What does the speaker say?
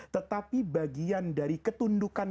tetapi bagian dari ketundukan